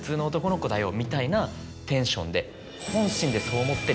みたいなテンションで。